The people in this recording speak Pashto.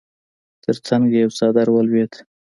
تر څنګ يې يو څادر ولوېد.